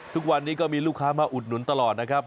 ทุกวันนี้ก็มีลูกค้ามาอุดหนุนตลอดนะครับ